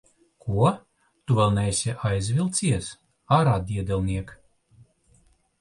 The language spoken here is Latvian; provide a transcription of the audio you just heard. Ko? Tu vēl neesi aizvilcies? Ārā, diedelniek!